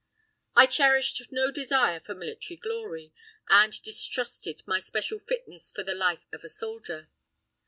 I cherished no desire for military glory, and distrusted my special fitness for the life of a soldier.